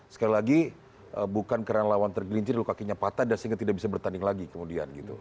sekali lagi bukan karena lawan tergelincir lalu kakinya patah dan sehingga tidak bisa bertanding lagi kemudian gitu